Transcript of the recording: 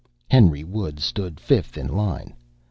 Henry Woods stood fifth in line.